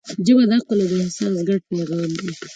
ژبه د عقل او احساس ګډ پیغام دی